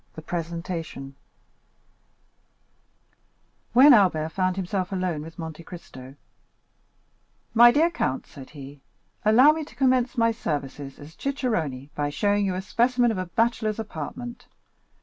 The Presentation When Albert found himself alone with Monte Cristo, "My dear count," said he, "allow me to commence my services as cicerone by showing you a specimen of a bachelor's apartment.